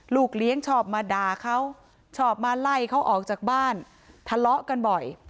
ลูกเลี้ยงชอบมาด่าเขาชอบมาไล่เขาออกจากบ้านทะเลาะกันบ่อย